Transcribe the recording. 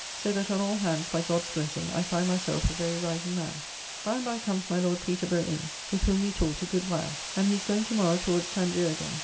So that on all hands, by God's blessing, I find myself a very rising man. By and by comes my Lord Peterborough in, with whom we talked a good while, and he is going tomorrow towards Tangier again.